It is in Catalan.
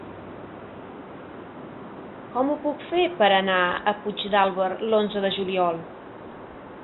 Com ho puc fer per anar a Puigdàlber l'onze de juliol?